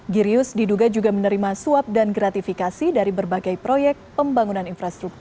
girius diduga juga menerima suap dan gratifikasi dari berbagai proyek pembangunan infrastruktur